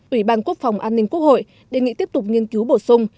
ủy ban quốc phòng an ninh quốc hội đề nghị tiếp tục nghiên cứu bổ sung